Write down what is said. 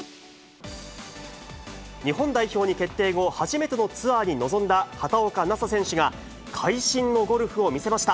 日本代表に決定後、初めてのツアーに臨んだ畑岡奈紗選手が、会心のゴルフを見せました。